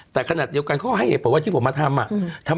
แต่ขณะเดียวกันเขาให้เหตุผลว่าที่ผมมาทำ